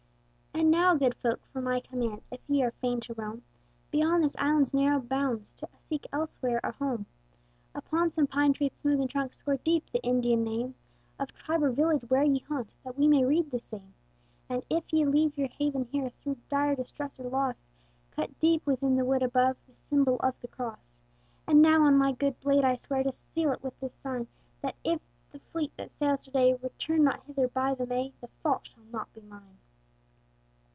"And now, good folk, for my commands: If ye are fain to roam Beyond this island's narrow bounds, To seek elsewhere a home, "Upon some pine tree's smoothen trunk Score deep the Indian name Of tribe or village where ye haunt, That we may read the same. "And if ye leave your haven here Through dire distress or loss, Cut deep within the wood above The symbol of the cross. "And now on my good blade, I swear, And seal it with this sign, That if the fleet that sails to day Return not hither by the May, The fault shall not be mine!"